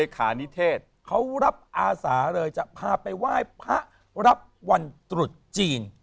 ขานิเทศเขารับอาสาเลยจะพาไปไหว้พระรับวันตรุษจีน